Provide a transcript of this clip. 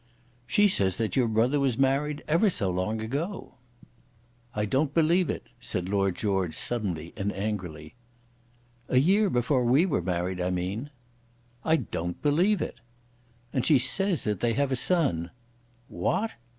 "She says that your brother was married ever so long ago!" "I don't believe it," said Lord George, suddenly and angrily. "A year before we were married, I mean." "I don't believe it." "And she says that they have a son." "What!"